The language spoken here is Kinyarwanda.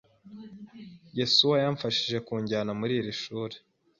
Yesuwa yamfashije kunjyana muri iri shuri.